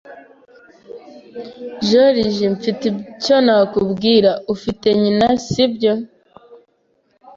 Joriji, mfite icyo nakubwira. Ufite nyina, si byo?